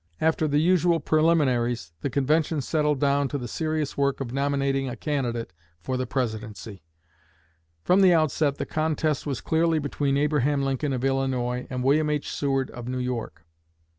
After the usual preliminaries the convention settled down to the serious work of nominating a candidate for the Presidency. From the outset the contest was clearly between Abraham Lincoln of Illinois and William H. Seward of New York.